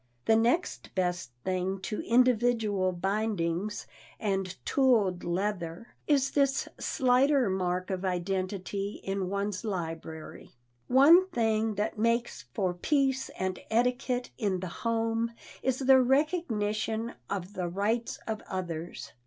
The next best thing to individual bindings and tooled leather is this slighter mark of identity in one's library. One thing that makes for peace and etiquette in the home is the recognition of the rights of others.